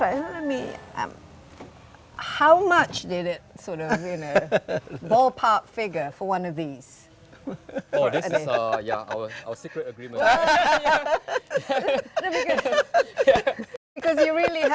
ya ada orang lain yang akan menjualnya